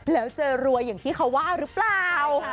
แล้วเจอรวยอย่างที่เขาว่าหรือเปล่า